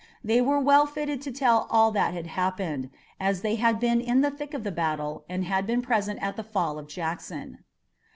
They were well fitted to tell all that had happened, as they had been in the thick of the battle and had been present at the fall of Jackson.